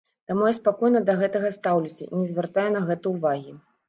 Таму я спакойна да гэтага стаўлюся, не звяртаю на гэта ўвагі.